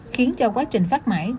khiến cho quá trình phát mãi